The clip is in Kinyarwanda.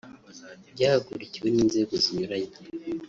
byahagurukiwe n’inzego zinyuranye